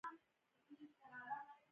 لمریز سیستم پاک انرژي تولیدوي.